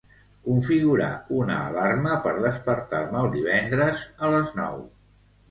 Configurar una alarma per despertar-me el divendres a les nou.